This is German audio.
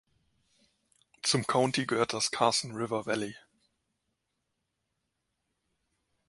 Zum County gehört das Carson River Valley.